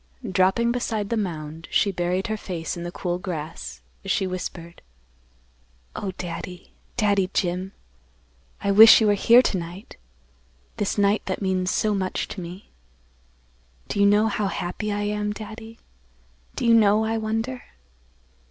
Dropping beside the mound she buried her face in the cool grass, as she whispered, "Oh, Daddy, Daddy Jim! I wish you were here to night; this night that means so much to me. Do you know how happy I am, Daddy? Do you know, I wonder?"